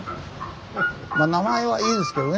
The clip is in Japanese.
まあ名前はいいですけどね